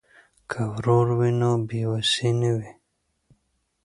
که ورور وي نو بې وسي نه وي.